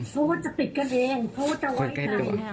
เพราะว่าจะปิดกันเองเพราะว่าจะไว้ใจกัน